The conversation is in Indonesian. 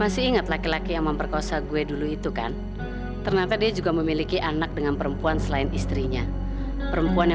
sampai jumpa di video selanjutnya